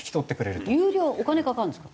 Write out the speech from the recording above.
お金かかるんですか？